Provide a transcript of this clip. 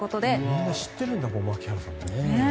みんな知ってるんだ牧原さんをね。